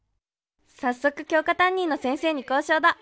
早速教科担任の先生に交渉だ。